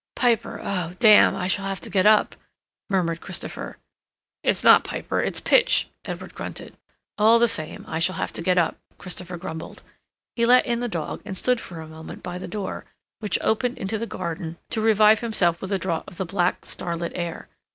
"Piper!—oh, damn!—I shall have to get up," murmured Christopher. "It's not Piper, it's Pitch," Edward grunted. "All the same, I shall have to get up," Christopher grumbled. He let in the dog, and stood for a moment by the door, which opened into the garden, to revive himself with a draught of the black, starlit air.